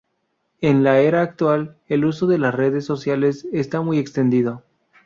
En la era actual, el uso de las redes sociales está muy extendido.